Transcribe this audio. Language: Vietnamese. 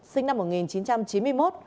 sinh năm một nghìn chín trăm chín mươi một